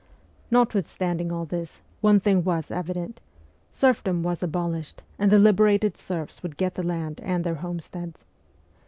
Notwithstanding all this, one thing was evident : serfdom was abolished, and the liberated serfs would get the land and their homesteads.